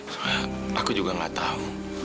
soalnya aku juga gak tahu